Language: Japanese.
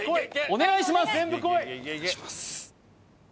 お願いします